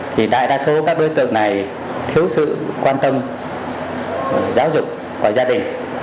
thì đại đa số các đối tượng này thiếu sự quan tâm giáo dục của gia đình